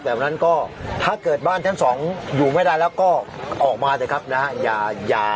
แบบนั้นก็ถ้าเกิดบ้านชั้นสองอยู่ไม่ได้แล้วก็ออกมาเถอะครับนะฮะ